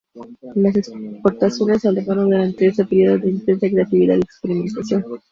Las exportaciones se elevaron durante ese período de intensa creatividad y experimentación.